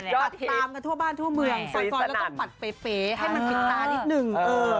ตัดตามกันทั่วบ้านทั่วเมืองสงกรก็ต้องปัดเป๋ให้มันผิดตานิดนึง